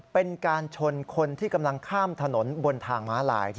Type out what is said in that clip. เป็นการชนคนที่กำลังข้ามถนนบนทางม้าลาย